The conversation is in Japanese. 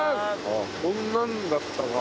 こんなんだったか。